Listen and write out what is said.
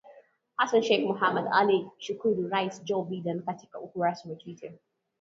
Hassan Sheikh Mohamud alimshukuru Rais Joe Biden katika ukurasa wa Twitter,